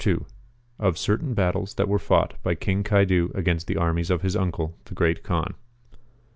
Of certain Battles that were Fought by King Caidu against THE Armies of his Uncle the Great Kaan.